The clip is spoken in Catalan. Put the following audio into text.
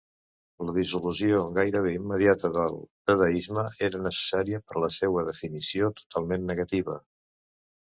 La dissolució gairebé immediata del dadaisme era necessària per la seua definició totalment negativa.